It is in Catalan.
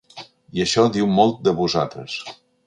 I això diu molt de vosaltres.